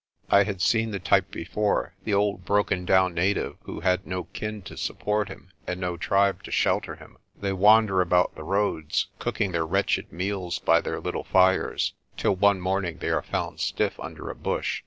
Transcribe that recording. I had seen the type before the old broken down native who had no kin to sup port him, and no tribe to shelter him. They wander about the roads, cooking their wretched meals by their little fires, till one morning they are found stiff under a bush.